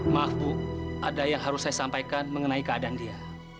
maaf bu ada yang harus saya sampaikan mengenai keadaan dia